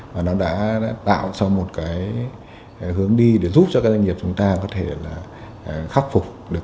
và nó đã tạo ra một cái hướng đi để giúp cho các doanh nghiệp chúng ta có thể là khắc phục được